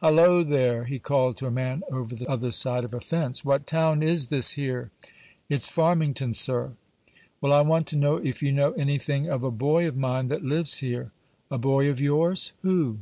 "Halloa, there!" he called to a man over the other side of a fence; "what town is this 'ere?" "It's Farmington, sir." "Well, I want to know if you know any thing of a boy of mine that lives here?" "A boy of yours? Who?"